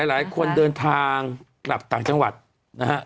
หลายคนเดินทางกลับต่างจังหวัดนะฮะ